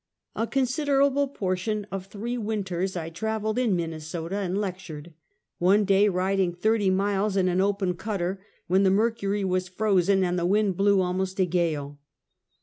A considerable portion of three winters I traveled in Minnesota and lectured, one day riding thirty miles in an open cutter when the mercury was frozen and the w^ind blew almost a gale.